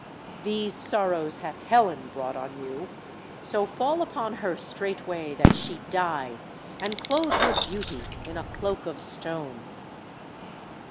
"These sorrows hath Helen brought on you. So fall upon her straightway, that she die, and clothe her beauty in a cloak of stone!"